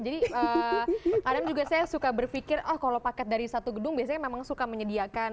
jadi ada juga saya suka berpikir kalau paket dari satu gedung biasanya memang suka menyediakan